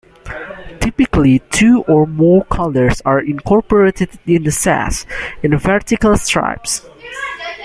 Typically two or more colours are incorporated in the sash, in vertical stripes.